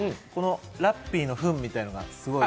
ラッピーのふんみたいなのが。